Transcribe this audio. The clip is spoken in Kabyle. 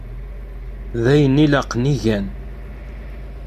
D ayen ilaqen i gan.